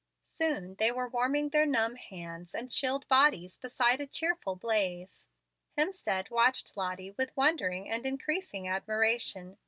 Soon they were warming their numb hands and chilled bodies beside a cheerful blaze. Hemstead watched Lottie with wondering and increasing admiration.